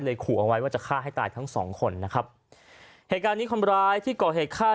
ขู่เอาไว้ว่าจะฆ่าให้ตายทั้งสองคนนะครับเหตุการณ์นี้คนร้ายที่ก่อเหตุฆ่า